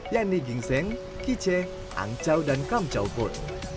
yang digingseng kiceh angcau dan kamcau pun